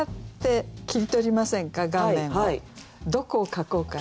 どこを描こうかなって。